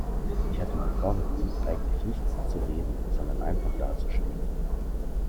Ich hatte mir vorgenommen, eigentlich nichts zu reden, sondern einfach dazustehen.